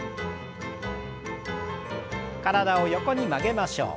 体を横に曲げましょう。